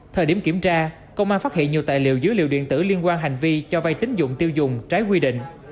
thời điểm kiểm tra công an phát hiện nhiều tài liệu dữ liệu điện tử liên quan hành vi cho vay tín dụng tiêu dùng trái quy định